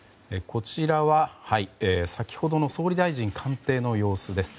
こちらは先ほどの総理大臣官邸の様子です。